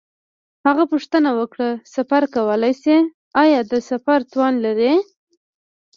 هغه پوښتنه وکړه: سفر کولای شې؟ آیا د سفر توان لرې؟